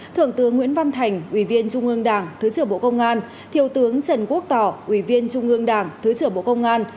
thượng tướng nguyễn văn thành ủy viên trung ương đảng thứ trưởng bộ công an thiếu tướng trần quốc tỏ ủy viên trung ương đảng thứ trưởng bộ công an